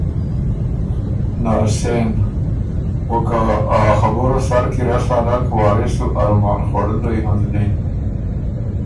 نر سېن او که ا خبُره سر کی نک رسا، وارث سُو ارمان خؤړُلئ هںزنی